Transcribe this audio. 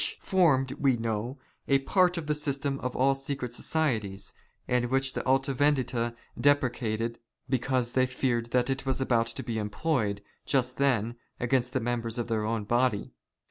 83 we know, a part of the system of all secret societies, and which the Alta Vendita deprecated because they feared that it was about being employed, just then, against the members of their own body.